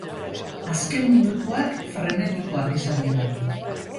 Azken minututak frenetikoak izan dira.